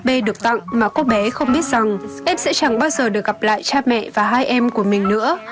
cô bé được tặng mà cô bé không biết rằng em sẽ chẳng bao giờ được gặp lại cha mẹ và hai em của mình nữa